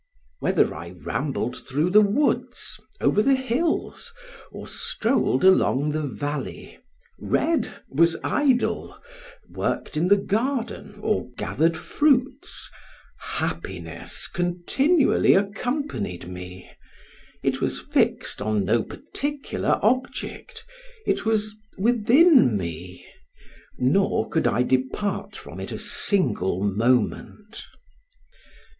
Whether I rambled through the woods, over the hills, or strolled along the valley; read, was idle, worked in the garden, or gathered fruits, happiness continually accompanied me; it was fixed on no particular object, it was within me, nor could I depart from it a single moment.